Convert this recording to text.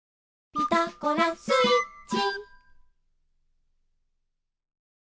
「ピタゴラスイッチ」